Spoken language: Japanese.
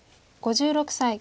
５６歳。